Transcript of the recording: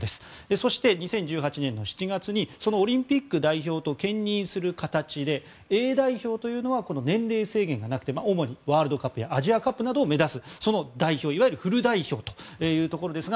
そして、２０１８年の７月にそのオリンピック代表と兼任する形でＡ代表というのは年齢制限がなくて主にワールドカップやアジアカップなどを目指すその代表、いわゆるフル代表というところですが